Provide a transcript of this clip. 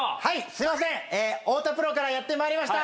すいません太田プロからやってまいりました